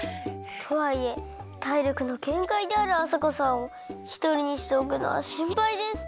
とはいえ体力のげんかいであるあさこさんをひとりにしておくのはしんぱいです！